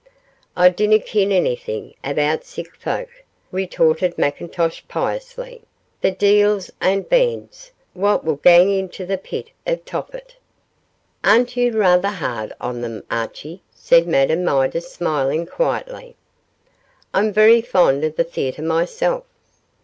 'I dinna ken anythin' about sic folk,' retorted Mr McIntosh, piously, 'the deil's ain bairns, wha wull gang into the pit of Tophet.' 'Aren't you rather hard on them, Archie?' said Madame Midas, smiling quietly. 'I'm very fond of the theatre myself.